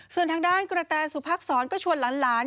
ส่วนทางด้านกระแตสุพักษรก็ชวนหลาน